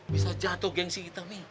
bisa jatuh gengsi kita nih